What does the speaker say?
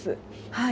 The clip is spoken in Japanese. はい。